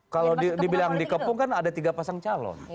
kalau dibilang dikepung kan ada tiga pasang calon